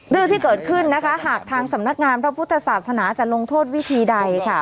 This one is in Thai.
เรื่องที่เกิดขึ้นนะคะหากทางสำนักงานพระพุทธศาสนาจะลงโทษวิธีใดค่ะ